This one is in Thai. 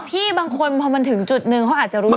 พี่บางคนพอมันถึงจุดนึงเขาอาจจะรู้สึก